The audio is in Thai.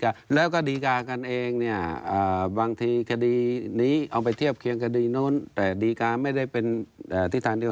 จ้ะแล้วก็ดีการกันเองเนี่ยบางทีคดีนี้เอาไปเทียบเคียงคดีนู้นแต่ดีการไม่ได้เป็นทิศทางเดียว